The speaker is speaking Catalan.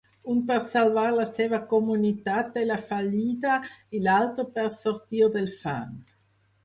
Un per salvar la seva comunitat de la fallida i l'altre per sortir del fang.